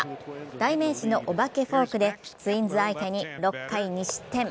代名詞のお化けフォークでツインズ相手に６回２失点。